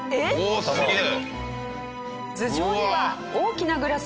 おっすげえ！